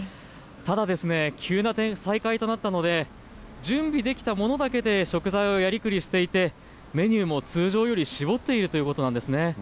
ただ急な再開となったので準備できたものだけで食材をやりくりしていてメニューも通常より絞っているということなんです。